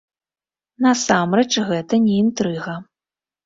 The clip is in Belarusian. Насамрэч гэта не інтрыга.